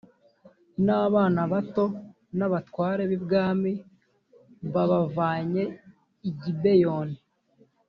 n’abana bato n’abatware b’ibwami babavanye i gibeyoni